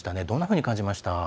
どんなふうに感じました？